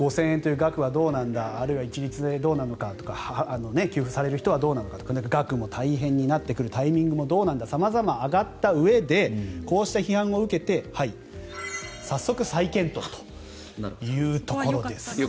５０００円という額はどうなんだあるいは一律でどうなのかとか給付される人はどうなのかとか額も大変になってくるタイミングもどうなんだ様々上がったうえでこうした批判を受けて早速、再検討ということです。